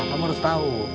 kamu harus tau